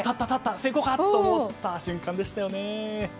成功か！と思った瞬間でしたよね。